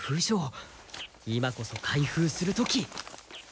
今こそ開封する時。